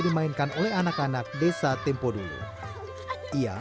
dimainkan oleh anak anak desa tempo dulu ia